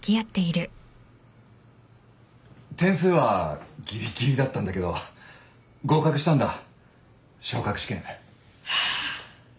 点数はぎりぎりだったんだけど合格したんだ昇格試験。